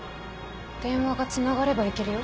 電話がつながればいけるよ。